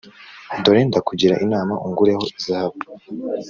Dore ndakugira inama ungureho izahabu